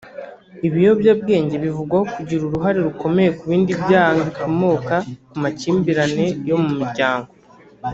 Ibiyobyabwenge bivugwaho kugira uruhare rukomeye ku bindi byaha nk’ibikomoka ku makimbirane yo mu miryango